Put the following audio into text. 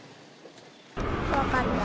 怖かった。